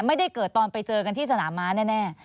ไม่ได้เกิดตอนไปเจอกันที่สนามม้าแน่